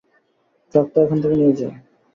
ট্রাকটা এখান থেকে নিয়ে যাও!